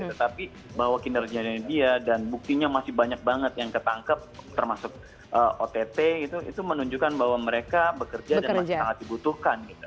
tetapi bahwa kinerjanya dia dan buktinya masih banyak banget yang ketangkep termasuk ott itu menunjukkan bahwa mereka bekerja dan masih sangat dibutuhkan gitu